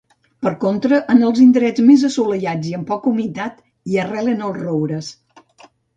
Per contra, en els indrets més assolellats i amb poca humitat, hi arrelen els roures.